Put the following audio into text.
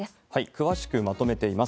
詳しくまとめています。